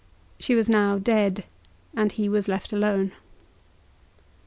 She was now dead, and he was left alone.